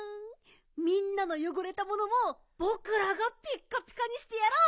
みんなのよごれたものもぼくらがピッカピカにしてやろう！